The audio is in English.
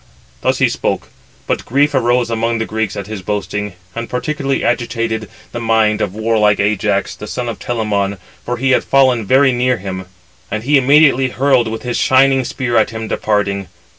Thus he spoke, but grief arose among the Greeks at his boasting, and particularly agitated the mind of warlike Ajax, the son of Telamon, for he had fallen very near him; and he immediately hurled with his shining spear at him departing.